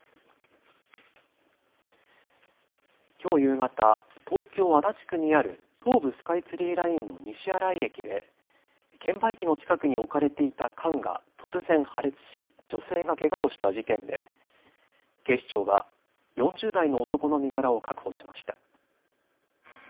きょう夕方、東京足立区にある東武スカイツリーラインの西新井駅で券売機の近くに置かれていた缶が突然破裂し女性がけがをした事件で警視庁は４０代の男の身柄を確保しました。